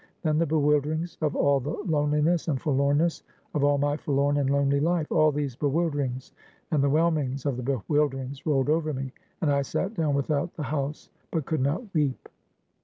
Then the bewilderings of all the loneliness and forlornness of all my forlorn and lonely life; all these bewilderings and the whelmings of the bewilderings rolled over me; and I sat down without the house, but could not weep.